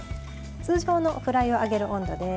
通常のフライを揚げる温度です。